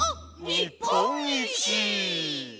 にっぽんいち！！」